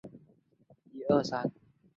马礼逊学堂是中国第一所西式学堂。